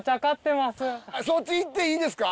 そっち行っていいですか？